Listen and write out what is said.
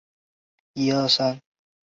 曾入选过的日本代表队。